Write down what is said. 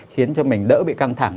khiến cho mình đỡ bị căng thẳng